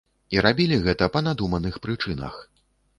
І рабілі гэта па надуманых прычынах.